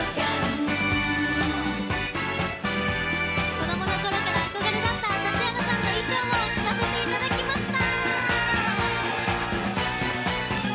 子供のころから憧れだった指原さんの衣装を着させていただきました。